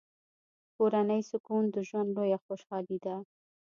کورنی سکون د ژوند لویه خوشحالي ده.